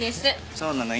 そうなのよ。